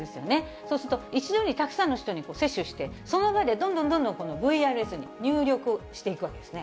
そうすると、一度にたくさんの人に接種して、その場で、どんどんどんどんこのＶＲＳ、入力していくわけですね。